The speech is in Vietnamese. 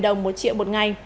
để giúp thiện xử xơ thẩm